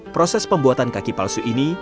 proses pembuatan kaki palsu ini